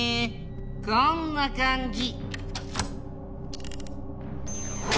こんな感じ。